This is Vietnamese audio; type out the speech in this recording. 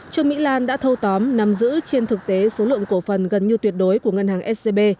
trương mỹ lan đã thâu tóm nắm giữ trên thực tế số lượng cổ phần gần như tuyệt đối của ngân hàng scb